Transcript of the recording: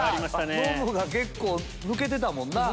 ノブが結構抜けてたもんな。